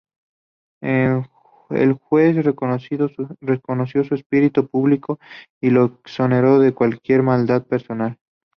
El juez reconoció su espíritu público y la exoneró de cualquier maldad personal.